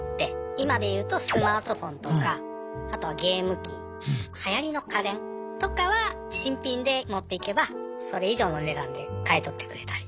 今で言うとスマートフォンとかあとはゲーム機はやりの家電とかは新品で持っていけばそれ以上の値段で買い取ってくれたり。